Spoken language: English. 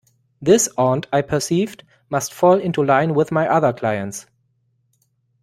This aunt, I perceived, must fall into line with my other clients.